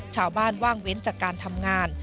ชาวบ้านว่างเว้นจากการทำงาน